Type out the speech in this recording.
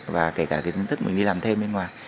và kể cả kiến thức mình đi làm thêm bên ngoài